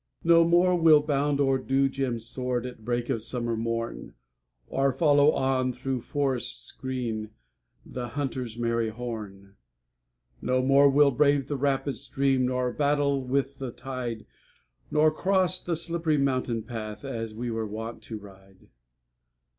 No more we'll bound o'er dew gemmed sward At break of summer morn, Or follow on, through forests green, The hunter's merry horn; No more we'll brave the rapid stream, Nor battle with the tide, Nor cross the slipp'ry mountain path, As we were wont to ride.